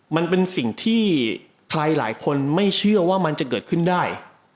มันเป็นสิ่งที่ใครหลายคนไม่เชื่อว่ามันจะเกิดขึ้นได้